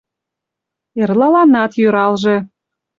Эрлаланат йӧралже.